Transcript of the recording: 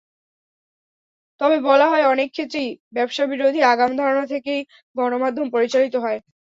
তবে বলা হয়, অনেক ক্ষেত্রেই ব্যবসাবিরোধী আগাম ধারণা থেকেই গণমাধ্যম পরিচালিত হয়।